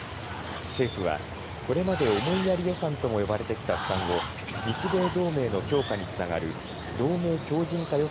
政府はこれまで思いやり予算とも呼ばれてきた負担を日米同盟の強化につながる同盟強靱化